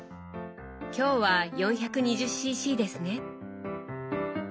今日は４２０ｃｃですね。